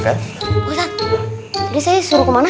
ustadz tadi saya disuruh kemana